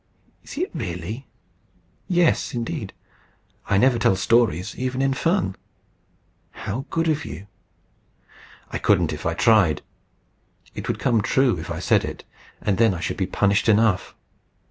"Is it really?" "Yes, indeed. I never tell stories, even in fun." "How good of you!" "I couldn't if I tried. It would come true if I said it, and then I should be punished enough."